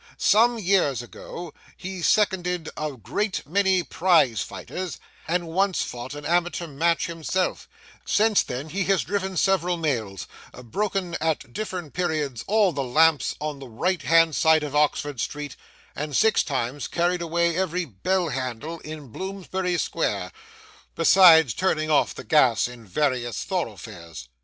Some years ago he seconded a great many prize fighters, and once fought an amateur match himself; since then he has driven several mails, broken at different periods all the lamps on the right hand side of Oxford street, and six times carried away every bell handle in Bloomsbury square, besides turning off the gas in various thoroughfares.